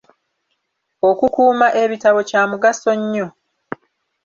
Okukuuma ebitabo kya mugaso nnyo.